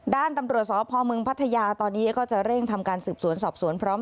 ด้านตำรวจสพมพัทยาตอนนี้ก็จะเร่งทำการสืบสวนสอบสวนพร้อม